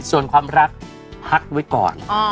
ส่วนความรักพักไว้ก่อน